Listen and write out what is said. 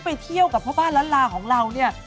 ไปเที่ยวกับพ่อบ้านล้านลาของเราเนี่ย